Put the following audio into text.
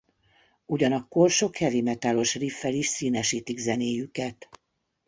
Ugyanakkor sok heavy metalos riffel is színesítik zenéjüket.